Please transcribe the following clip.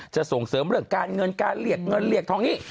ส่งเสริมเรื่องการเงินการเรียกเงินเรียกทองนี้